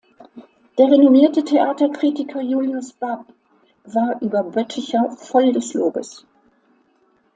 Der renommierte Theaterkritiker Julius Bab war über Boetticher voll des Lobes.